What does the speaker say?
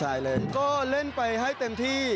ว้าวเร่งก็เล่นไปให้เต็มที่